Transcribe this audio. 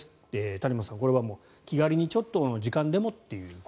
谷本さん、これは気軽にちょっとの時間でもと。